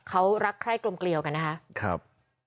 เขารักใคร่กลมเกลียวกันนะครับ